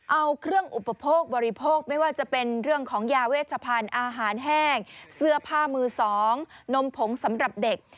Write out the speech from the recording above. เอาเครื่องอุปโภคบริโภคไม่ว่าจะเป็นเรื่องของยาเวชพันธุ์อาหารแห้งเสื้อผ้ามือสองนมผงสำหรับเด็ก